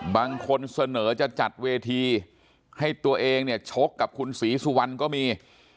บางคนเสนอจะจัดเวทีให้ตัวเองเนี่ยชกกับคุณศรีสุวรรณก็มี